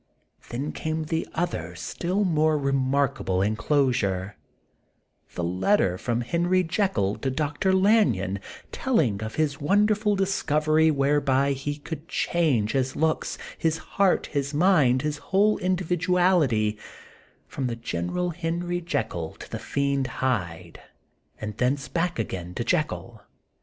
Then came the other still more remark able inclosure, ŌĆö the letter from Henry Jekyll to Dr. Lanyon, telling of his won derful discovery whereby he could change his looks, his heart, his mind, his whole individuality, from the gentle Harry Jekyll to the fiend Hyde, and thence back again to Jekyll.